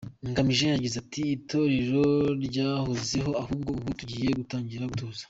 Ngamije yagize ati “Itorero ryahozeho ahubwo ubu tugiye gutangira gutoza.